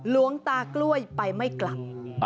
หลวงตากล้วยไปไม่กลับ